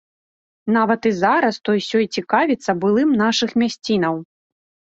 Нават і зараз той-сёй цікавіцца былым нашых мясцінаў.